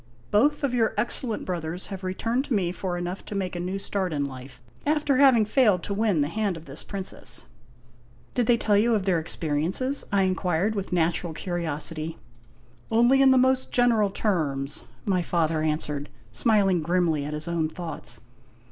Both of your excellent brothers have re turned to me for enough to make a new start in life, after having failed to win the hand of this princess." " Did they tell you of their experiences ?" I inquired with natu ral curiosity. " Only in the most general terms," my father answered, smiling grimly at his own thoughts.